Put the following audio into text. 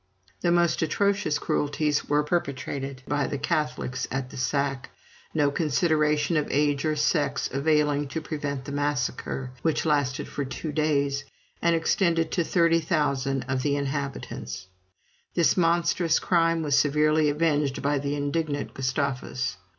The most atrocious cruelties were perpetrated by the Catholics at the sack; no consideration of age or sex availing to prevent the massacre, which lasted for two days, and extended to 30,000 of the inhabitants. This monstrous crime was severely avenged by the indignant Gustavus.